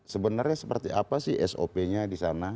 sebenarnya seperti apa sih sop nya di sana